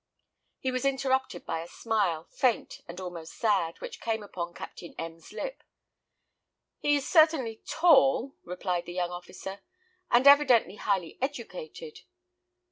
He was interrupted by a smile, faint and almost sad, which came upon Captain M 's lip. "He is certainly tall," replied the young officer, "and evidently highly educated.